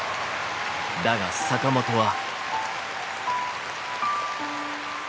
だが坂本は。